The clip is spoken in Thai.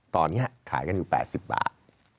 ตอนนี้ขายกันอยู่๘๐บาท